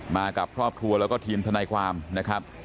มากับทอบทัวร์แล้วก็ทีมธนาความนะครับ